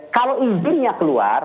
kalau izinnya keluar